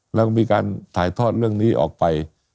แล้วก็มีการถ่ายทอดเรื่องนี้ออกไป